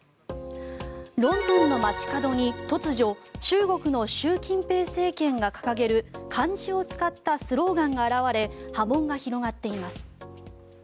ロンドンの街角に突如、中国の習近平政権が掲げる漢字を使ったスローガンが現れ波紋が広がっています。